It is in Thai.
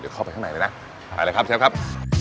เดี๋ยวเข้าไปข้างในเลยนะไปเลยครับเชฟครับ